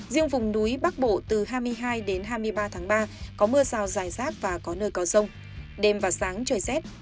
riêng vùng núi bắc bộ từ hai mươi hai đến hai mươi ba tháng ba có mưa rào dài rác và có nơi có rông đêm và sáng trời rét